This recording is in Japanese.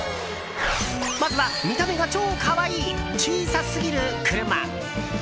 まずは、見た目が超可愛い小さすぎる車。